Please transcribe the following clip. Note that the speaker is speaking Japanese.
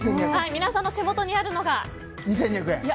皆さんの手元にあるのが。